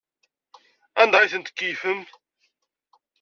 Anda ay ten-tkeyyfem?